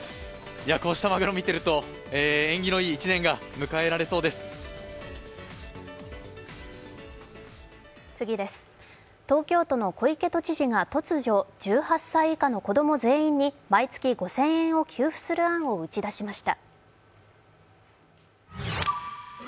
こうしたまぐろを見ていると、縁起のいい１年が迎えられそうです東京都の小池都知事が突如１８歳以下の子供全員に毎月５０００円を給付する案を打ち出しました。